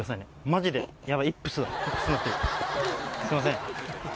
すいません